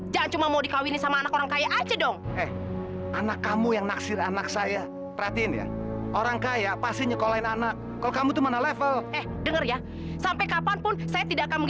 jika dia menjadi merah tempat buah ataukah akan dibutuhkan